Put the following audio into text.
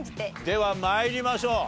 では参りましょう。